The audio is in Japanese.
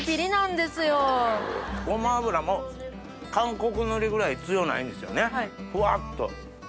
ごま油も韓国海苔ぐらい強ないんですよねふわっと。